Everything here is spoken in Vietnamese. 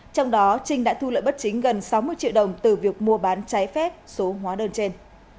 trong đó trinh đã thu lợi bất chính gần sáu mươi triệu đồng từ việc mua bán trái phép số hóa đơn trên